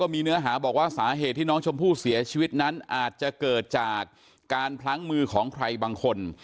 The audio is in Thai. มีเนื้อหาบอกว่าสาเหตุที่น้องชมพู่เสียชีวิตนั้นอาจจะเกิดจากการพลั้งมือของใครบางคน